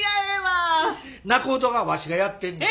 仲人はわしがやってんねや。